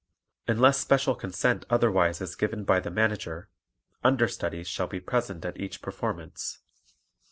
Unless special consent otherwise is given by the Manager, understudies shall be present at each performance.